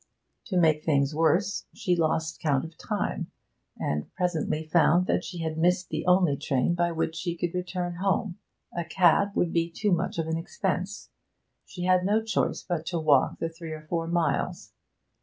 To make things worse, she lost count of time, and presently found that she had missed the only train by which she could return home. A cab would be too much of an expense; she had no choice but to walk the three or four miles.